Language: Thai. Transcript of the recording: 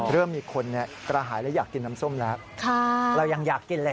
เริ่มมีคนกระหายและอยากกินน้ำส้มแล้วเรายังอยากกินเลย